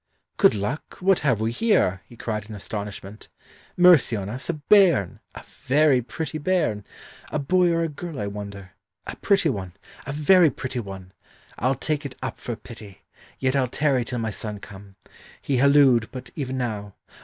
"Good luck, what have we here?" he cried in astonishment. "Mercy on us, a bairn! a very pretty bairn! A boy or a girl I wonder. A pretty one a very pretty one! I'll take it up for pity; yet I'll tarry till my son come. He hallooed but even now.